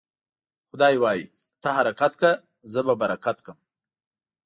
خداى وايي: ته حرکت که ، زه به برکت کم.